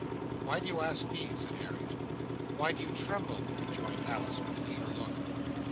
"Why do you ask me?" said Harriet. "Why do you tremble?" rejoined Alice, with an eager look.